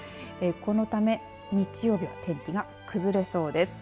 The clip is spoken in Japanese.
このため日曜日は天気が崩れそうです。